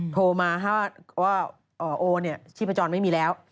โทรมาว่าโอ้คือชีพจรไม่มีแล้ว